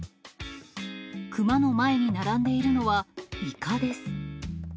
クマの前に並んでいるのは、イカです。